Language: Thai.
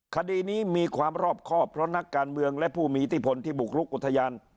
คดีนี้มีความรอบครอบเพราะนักการเมืองและผู้มีอิทธิพลที่บุกลุกอุทยาน